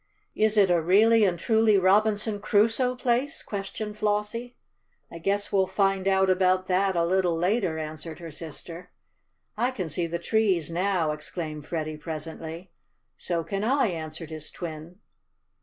"Is it a really and truly Robinson Crusoe place?" questioned Flossie. "I guess we'll find out about that a little later," answered her sister. "I can see the trees now!" exclaimed Freddie presently. "So can I," answered his twin.